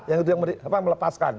yang itu yang melepaskan